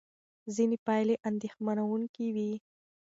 ځینې پایلې اندېښمنوونکې وې.